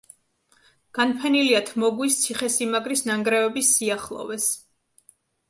განფენილია თმოგვის ციხესიმაგრის ნანგრევების სიახლოვეს.